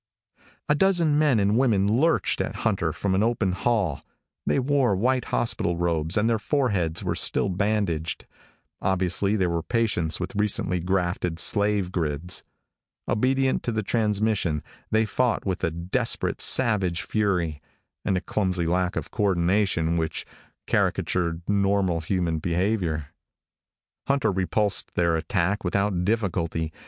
A dozen men and women lurched at Hunter from an open hall. They wore white hospital robes and their foreheads were still bandaged. Obviously they were patients with recently grafted slave grids. Obedient to the transmission, they fought with a desperate, savage fury and a clumsy lack of co ordination which caricatured normal human behavior. Hunter repulsed their attack without difficulty.